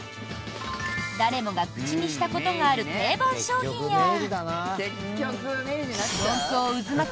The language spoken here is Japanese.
誰もが口にしたことがある定番商品や論争渦巻く